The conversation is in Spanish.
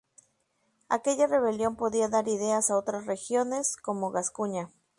Aquella rebelión podía dar ideas a otras regiones, como Gascuña.